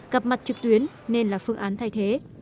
gặp mặt trực tuyến nên là phương án thay thế